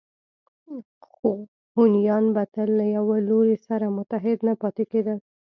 خو هونیان به تل له یوه لوري سره متحد نه پاتې کېدل